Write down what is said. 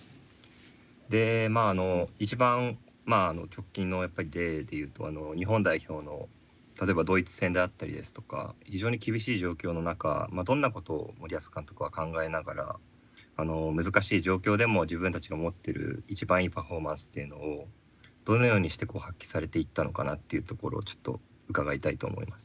でまあ一番直近の例でいうと日本代表の例えばドイツ戦であったりですとか非常に厳しい状況の中どんなことを森保監督は考えながらあの難しい状況でも自分たちが持ってる一番いいパフォーマンスっていうのをどのようにして発揮されていったのかなっていうところをちょっと伺いたいと思います。